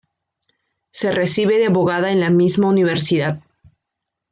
Se recibe de abogada en la misma Universidad.